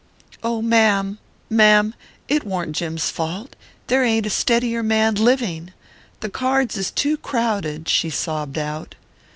"Oh, ma'am, ma'am, it warn't Jim's fault there ain't a steadier man living. The cards is too crowded," she sobbed out.